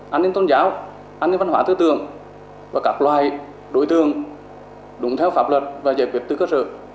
an ninh tôn giáo an ninh văn hóa tư tường và các loại đối tượng đúng theo pháp luật và giải quyết tư cất rợ